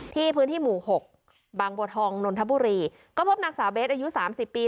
พื้นที่หมู่หกบางบัวทองนนทบุรีก็พบนางสาวเบสอายุสามสิบปี